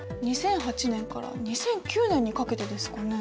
２００８年から２００９年にかけてですかね。